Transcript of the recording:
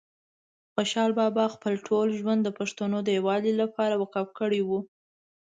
خوشحال بابا خپل ټول ژوند د پښتنو د یووالي لپاره وقف کړی وه